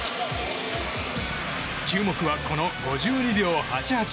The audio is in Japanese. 注目はこの５２秒８８。